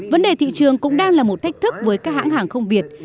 vấn đề thị trường cũng đang là một thách thức với các hãng hàng không việt